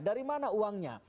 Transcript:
dari mana uangnya